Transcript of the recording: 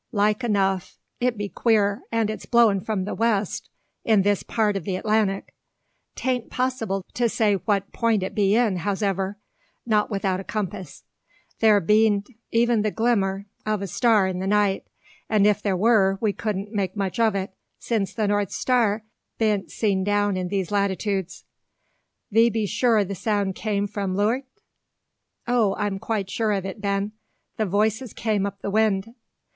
Like enough. It be queer, and it's blowing from the west in this part o' the Atlantic! 'Tan't possible to say what point it be in, hows'ever, not without a compass. There bean't even the glimmer o' a star in the sky; and if there wur we couldn't make much o' it; since the north star bean't seen down in these latitudes. Thee be sure the sound come from leuart?" "O, I am quite sure of it, Ben; the voices came up the wind."